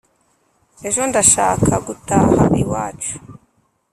ejo ndashaka gutaha.iwacu